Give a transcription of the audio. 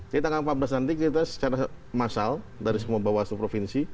jadi tanggal empat belas nanti kita secara massal dari semua bawah suhu provinsi